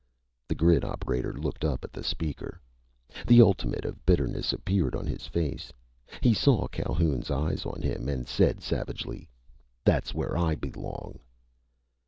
_" The grid operator looked up at the speaker. The ultimate of bitterness appeared on his face. He saw Calhoun's eyes on him and said savagely: "That's where I belong!"